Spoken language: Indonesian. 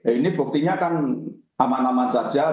ini buktinya kan aman aman saja